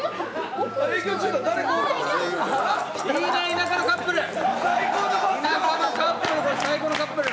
田舎のカップル